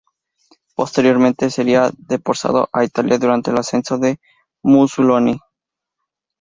Posteriormente seria deportado a Italia durante el ascenso de Mussolini.